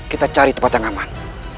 kita cari tempat yang aman